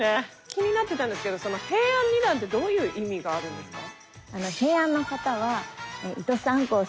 気になってたんですけど平安二段ってどういう意味があるんですか？